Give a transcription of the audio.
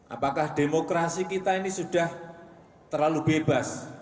apakah demokrasi kita ini sudah terlalu bebas